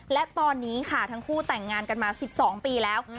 และตอนนี้ค่ะทั้งคู่แต่งงานกันมา๑๒ปีแล้ว